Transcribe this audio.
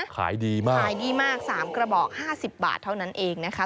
ขายดีมาก๓กระบอก๕๐บาทเท่านั้นเองนะคะ